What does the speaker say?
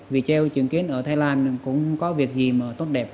vì treo chứng kiến ở thái lan cũng có việc gì mà tốt đẹp